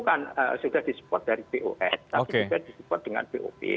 dan sudah disupport dari pos tapi juga disupport dengan bop